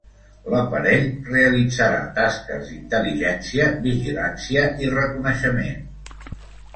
L'aparell realitzarà tasques d'intel·ligència, vigilància i reconeixement.